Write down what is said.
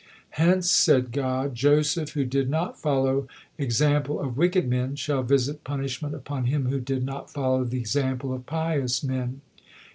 "Hence," said God, "Joseph, who did not follow example of wicked men, shall visit punishment upon him who did not follow the example of pious men."